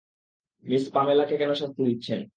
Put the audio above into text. Miss পামেলাকে কেন শাস্তি দিচ্ছেন?